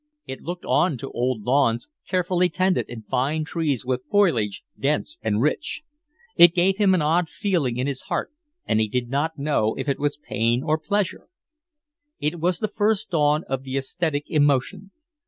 It looked on to old lawns, carefully tended, and fine trees with foliage dense and rich. It gave him an odd feeling in his heart, and he did not know if it was pain or pleasure. It was the first dawn of the aesthetic emotion.